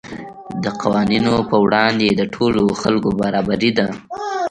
د قوانینو په وړاندې د ټولو خلکو برابري ده.